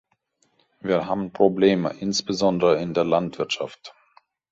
Wir haben Probleme, insbesondere in der Landwirtschaft.